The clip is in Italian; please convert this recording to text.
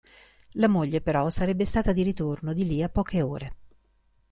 La moglie però sarebbe stata di ritorno di lì a poche ore.